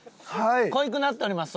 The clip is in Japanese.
濃ゆくなっております